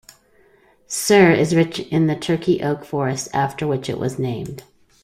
Cer is rich in the Turkey oak forests after which it was named.